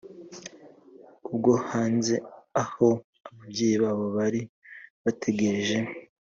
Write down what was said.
ubwo hanze aho ababyeyi babo bari bategereje